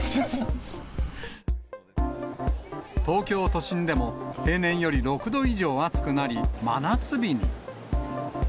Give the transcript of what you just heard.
東京都心でも、平年より６度以上暑くなり、真夏日に。